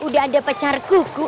udah ada pacar kuku